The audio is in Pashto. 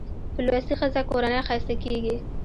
په لوستې ښځه کورنۍ ښايسته کېږي